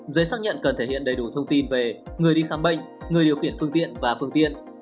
giấy xác nhận cần thể hiện đầy đủ thông tin về người đi khám bệnh người điều khiển phương tiện và phương tiện